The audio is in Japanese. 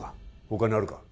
他にあるか？